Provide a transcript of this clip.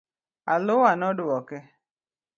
Alua nodwoke.